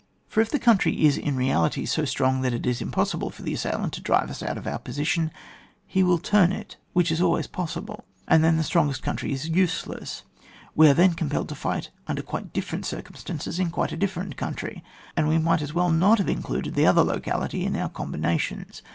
For if the country is in reality so strong that it is impossible for the assailant to drive us out of our position, he will turn it, which is always possible, and then the strongest country is useless; we are then compelled to fight under quite different circumstances, in quite a different country ; and we might as well not have included the other locality in our combinations.